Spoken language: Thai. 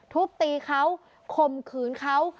ทุบตีเขาข่มขืนเขา